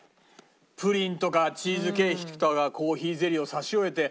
プリンとかチーズケーキとかコーヒーゼリーを差し置いて。